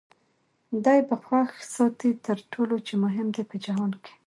دی به خوښ ساتې تر ټولو چي مهم دی په جهان کي